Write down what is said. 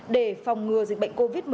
để phòng ngừa dịch bệnh covid một mươi chín